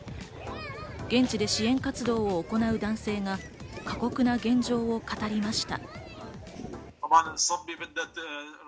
現地で支援活動を行う男性が過酷な現状を語りました。